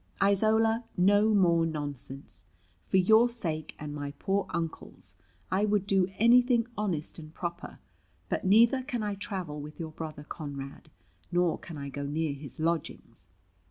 "Isola, no more nonsense. For your sake, and my poor Uncle's, I would do anything honest and proper: but neither can I travel with your brother Conrad, nor can I go near his lodgings.